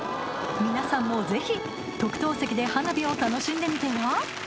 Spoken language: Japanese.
皆さんもぜひ特等席で花火を楽しんでみては？